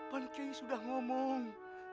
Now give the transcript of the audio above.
panke sudah ngomong